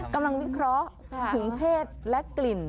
วิเคราะห์ถึงเพศและกลิ่น